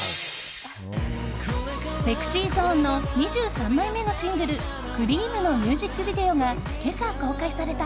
ＳｅｘｙＺｏｎｅの２３枚目のシングル「Ｃｒｅａｍ」のミュージックビデオが今朝、公開された。